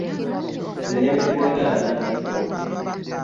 Emirembe gy'oyagala ani anaagikuwa?